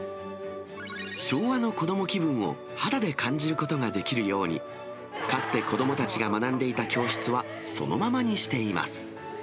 昭和の子ども気分を肌で感じることができるように、かつて子どもたちが学んでいた教室は、そのままにしています。